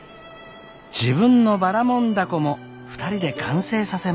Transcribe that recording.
自分のばらもん凧も２人で完成させました。